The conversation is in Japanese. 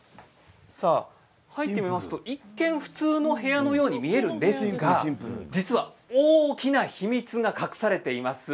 入ってみますと一見普通の部屋のように見えるんですが実は大きな秘密が隠されています。